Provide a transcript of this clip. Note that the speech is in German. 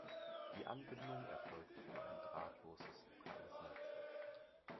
Die Anbindung erfolgt über ein drahtloses lokales Netzwerk.